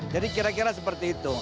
jadi kira kira seperti itu